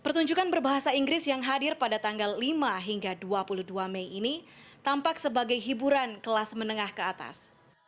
pertunjukan berbahasa inggris yang hadir pada tanggal lima hingga dua puluh dua mei ini tampak sebagai hiburan kelas menengah ke atas